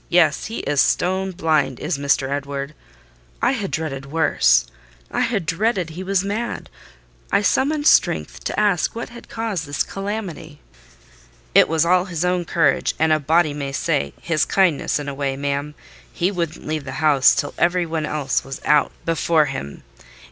"Yes, he is stone blind, is Mr. Edward." I had dreaded worse. I had dreaded he was mad. I summoned strength to ask what had caused this calamity. "It was all his own courage, and a body may say, his kindness, in a way, ma'am: he wouldn't leave the house till every one else was out before him.